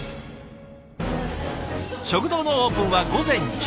食堂のオープンは午前１１時。